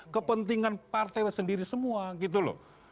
kepentingan partai sendiri semua gitu loh